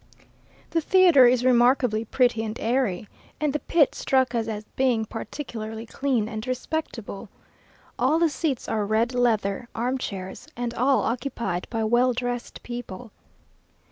The theatre is remarkably pretty and airy, and the pit struck us as being particularly clean and respectable. All the seats are red leather arm chairs, and all occupied by well dressed people.